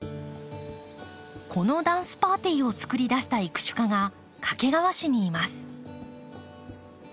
このダンスパーティーをつくり出した育種家が掛川市にいます。